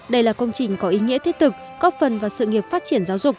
đây là công trình có ý nghĩa thiết thực góp phần vào sự nghiệp phát triển giáo dục